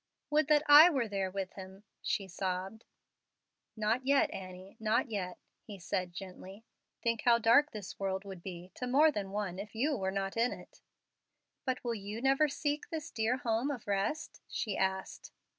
"Would that I were there with him!" she sobbed. "Not yet, Annie, not yet," he said, gently. "Think how dark this world would be to more than one if you were not in it." "But will you never seek this dear home of rest?" she asked.